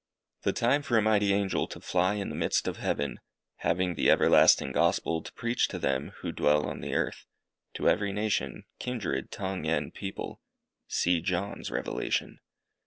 The time for _a mighty angel to fly in the midst of heaven, having the everlasting Gospel to preach to them who dwell on the earth; to every nation, kindred, tongue, and people_. (See John's revelation.)